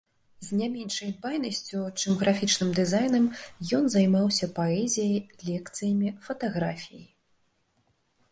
З не меншай дбайнасцю, чым графічным дызайнам, ён займаўся паэзіяй, лекцыямі, фатаграфіяй.